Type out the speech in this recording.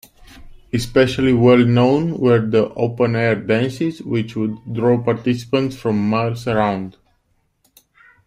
Especially well known were the open-air dances, which would draw participants from miles around.